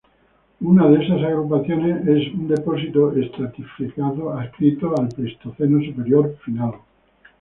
Una de esas agrupaciones es un depósito estratificado adscrito al Pleistoceno Superior Final.